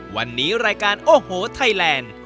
วันนี้รายการโอ้โหไทยแลนด์